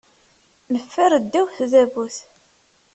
Neffer ddaw tdabut.